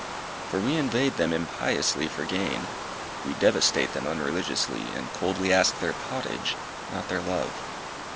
For we invade them impiously for gain; We devastate them unreligiously, And coldly ask their pottage, not their love.